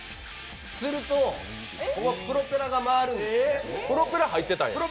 すると、プロペラが回るんです。